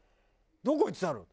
「どこ行ってたの？」